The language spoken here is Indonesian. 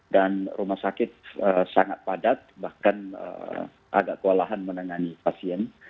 dan rumah sakit sangat padat bahkan agak kewalahan menengani pasien